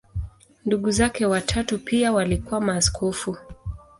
Ndugu zake watatu pia walikuwa maaskofu.